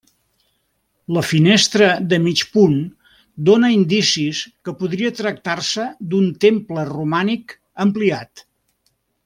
La finestra de mig punt dóna indicis que podria tractar-se d'un temple romànic ampliat.